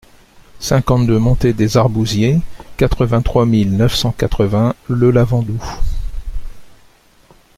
cinquante-deux montée des Arbousiers, quatre-vingt-trois mille neuf cent quatre-vingts Le Lavandou